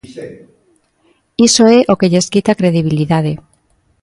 Iso é o que lles quita credibilidade.